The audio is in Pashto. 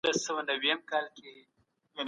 هغه وويل چې دا کتابونه تاريخي امانت دي.